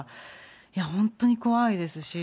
いや、本当に怖いですし。